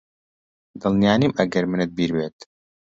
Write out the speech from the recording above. دڵنیا نیم ئەگەر منت بیر بێت